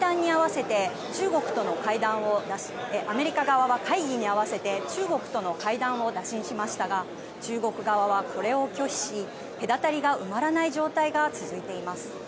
アメリカ側は会談に合わせて中国との会談を打診しましたが中国側はこれを拒否し隔たりが埋まらない状態が続いています。